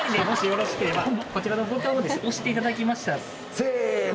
せの！